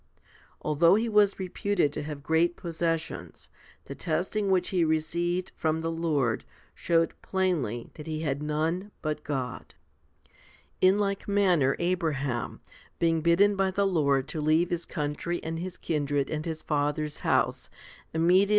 2 Although he was reputed to have great possessions, the testing which he received from the Lord showed plainly that he had none but God. In like manner Abraham, being bidden by the Lord to leave his country and his kindred and his father's house, immediately 1 The text here is corrupt. 2 Job i. 20, LXX.